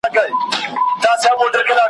د هغه سړي یې مخ نه وي کتلی `